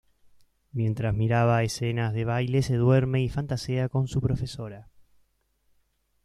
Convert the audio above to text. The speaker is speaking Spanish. Mientras miraba escenas de baile se duerme y fantasea con su profesora.